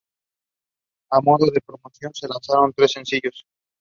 He came to limelight during Cauvery agitation for nearly four decades in Mandya district.